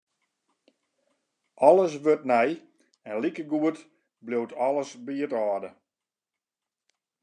Alles wurdt nij en likegoed bliuwt alles by it âlde.